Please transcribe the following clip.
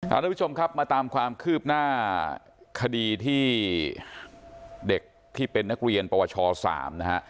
ทุกผู้ชมครับมาตามความคืบหน้าคดีที่เด็กที่เป็นนักเรียนปวช๓นะฮะ